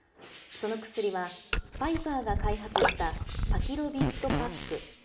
その薬は、ファイザーが開発したパキロビッドパック。